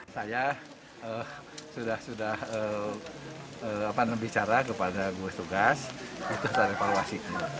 saya sudah bicara kepada gugus tugas untuk evaluasi